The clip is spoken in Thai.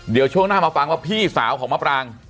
เดี๋ยวช่วงหน้ามาฟังว่าพี่สาวของมะปราง